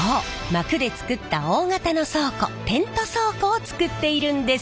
膜で作った大型の倉庫テント倉庫を作っているんです。